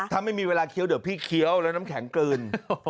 ถ้าไม่มีเวลาเคี้ยวเดี๋ยวพี่เคี้ยวแล้วน้ำแข็งกลืน